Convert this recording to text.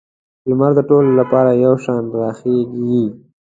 لمر د ټولو لپاره یو شان راخیږي.